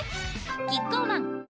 キッコーマン